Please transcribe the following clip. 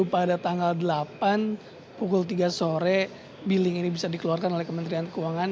pada tanggal delapan pukul tiga sore billing ini bisa dikeluarkan oleh kementerian keuangan